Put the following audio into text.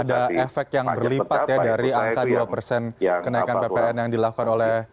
ada efek yang berlipat ya dari angka dua persen kenaikan ppn yang dilakukan oleh